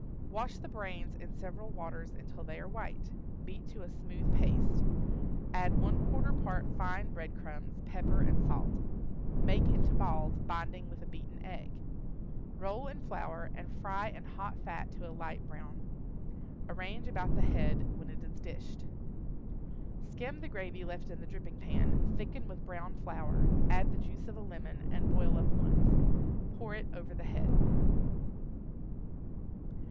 Wash the brains in several waters until they are white; beat to a smooth paste, add one quarter part fine bread crumbs, pepper, and salt; make into balls, binding with a beaten egg; roll in flour and fry in hot fat to a light brown. Arrange about the head when it is dished. Skim the gravy left in the dripping pan, thicken with brown flour, add the juice of a lemon, and boil up once. Pour it over the head.